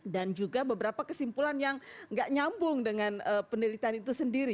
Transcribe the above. dan juga beberapa kesimpulan yang tidak nyambung dengan penelitian itu sendiri